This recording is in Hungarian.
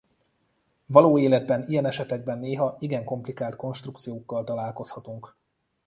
Való életben ilyen esetekben néha igen komplikált konstrukciókkal találkozhatunk.